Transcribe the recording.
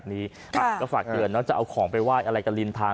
เธอก็เชื่อว่ามันคงเป็นเรื่องความเชื่อที่บรรดองนำเครื่องเส้นวาดผู้ผีปีศาจเป็นประจำ